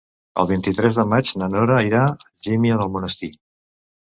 El vint-i-tres de maig na Nora irà a Algímia d'Almonesir.